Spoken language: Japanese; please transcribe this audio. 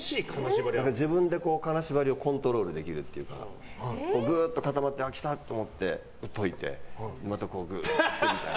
自分で金縛りをコントロールできるっていうかグーッと固まって来た！と思ったら解いてまた、こうぐーっと。